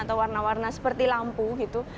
atau warna warna seperti lampu gitu